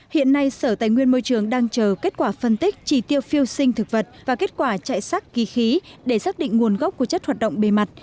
hiện nay sở tài nguyên môi trường đang chờ kết quả phân tích chỉ tiêu phiêu sinh thực vật và kết quả chạy sắc kỳ khí để xác định nguồn gốc của chất hoạt động bề mặt